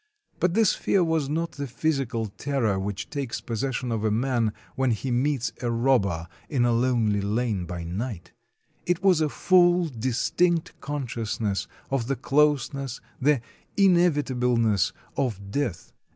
But this fear was not the physical terror which takes possession of a man when he meets a robber in a lonely lane by night; it was a full, dis tinct consciousness of the closeness, the inevitableness of death.